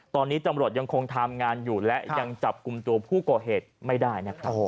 ตอนนี้ตำรวจยังคงทำงานอยู่และยังจับกลุ่มตัวผู้ก่อเหตุไม่ได้นะครับ